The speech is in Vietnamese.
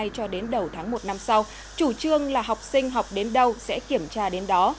cho đến đầu tháng một năm sau chủ trương là học sinh học đến đâu sẽ kiểm tra đến đó